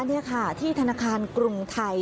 นี่ค่ะที่ธนาคารกรุงไทย